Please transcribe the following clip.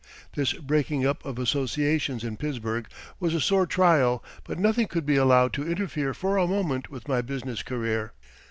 This breaking up of associations in Pittsburgh was a sore trial, but nothing could be allowed to interfere for a moment with my business career.